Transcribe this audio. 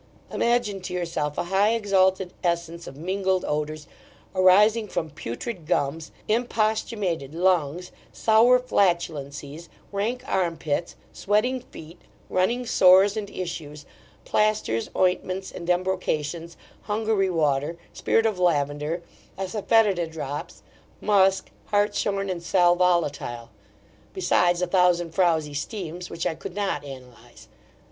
Imagine to yourself a high exalted essence of mingled odours, arising from putrid gums, imposthumated lungs, sour flatulencies, rank armpits, sweating feet, running sores and issues, plasters, ointments, and embrocations, hungary water, spirit of lavender, assafoetida drops, musk, hartshorn, and sal volatile; besides a thousand frowzy steams, which I could not analyse.